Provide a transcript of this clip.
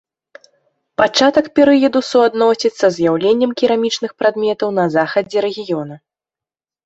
Пачатак перыяду суадносяць са з'яўленнем керамічных прадметаў на захадзе рэгіёна.